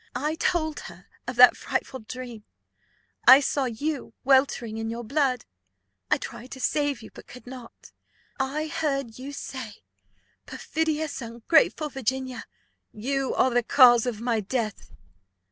I told her of that frightful dream. I saw you weltering in your blood; I tried to save you, but could not. I heard you say, 'Perfidious, ungrateful Virginia! you are the cause of my death!